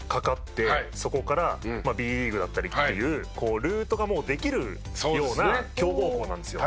そこからＢリーグだったりっていうルートがもうできるような強豪校なんですよ。